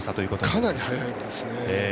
かなり速いですね。